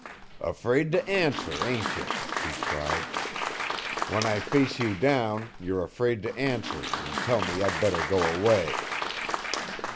"Afraid to answer, ain't you?" he cried. "When I face you down you're afraid to answer an' tell me I'd better go away.